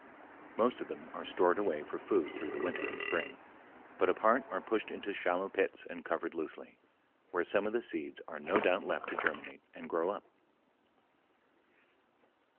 Most of them are stored away for food through the winter and spring, but a part are pushed into shallow pits and covered loosely, where some of the seeds are no doubt left to germinate and grow up.